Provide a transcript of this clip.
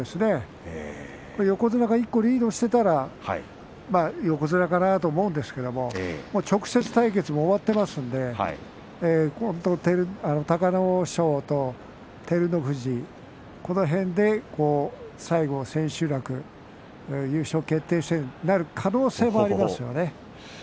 楽しみですね横綱が一歩リードしていたら横綱かなと思うんですけれども直接対決も終わっていますので隆の勝と照ノ富士、この辺で最後、千秋楽、優勝決定戦である可能性もありますよね。